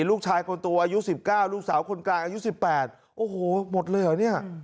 ลูกชายคนตัวอายุสิบเก้าลูกสาวคนกลางอายุสิบแปดโอ้โหหมดเลยเหรอเนี่ย